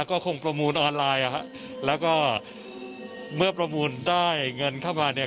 ก็คงประมูลออนไลน์อ่ะฮะแล้วก็เมื่อประมูลได้เงินเข้ามาเนี่ย